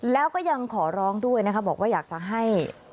แล้วก็ยังขอร้องด้วยนะคะบอกว่าอยากจะให้